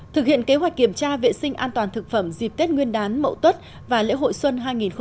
thực hiện kế hoạch kiểm tra vệ sinh an toàn thực phẩm dịp tết nguyên đán mậu tốt và lễ hội xuân hai nghìn một mươi tám